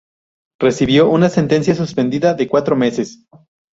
Recibió una sentencia suspendida de cuatro meses.